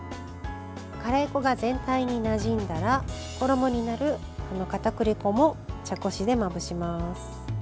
カレー粉が全体になじんだら衣になるかたくり粉も茶こしでまぶします。